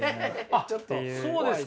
あっそうですか。